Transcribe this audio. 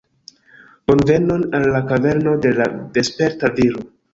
Bonvenon al la kaverno de la Vesperta Viro